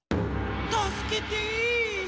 たすけて！